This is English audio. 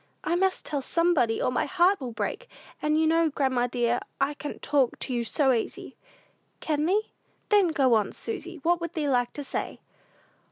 I must tell somebody, or my heart will break; and you know, grandma dear, I can talk to you so easy." "Can thee? Then go on, Susy; what would thee like to say?"